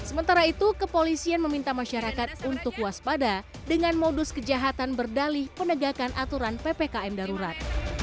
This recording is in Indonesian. sementara itu kepolisian meminta masyarakat untuk waspada dengan modus kejahatan berdalih penegakan aturan ppkm darurat